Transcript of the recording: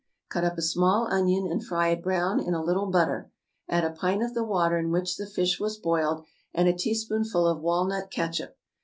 Cut up a small onion, and fry it brown in a little butter; add a pint of the water in which the fish was boiled, and a teaspoonful of walnut catsup.